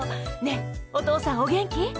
ねぇお父さんお元気？